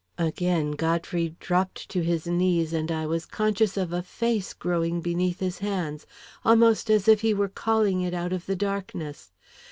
Again Godfrey dropped to his knees, and I was conscious of a face growing beneath his hands, almost as if he were calling it out of the darkness.